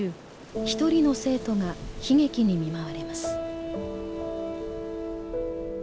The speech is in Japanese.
一人の生徒が悲劇に見舞われます。